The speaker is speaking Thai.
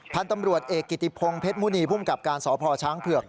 พันธุ์ตำรวจเอกกิติพงพฤทธิ์มูนี่พลุ่มกรรมสอบพชั้งเผือก